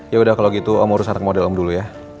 yaudah kalau gitu om urus atak model om dulu ya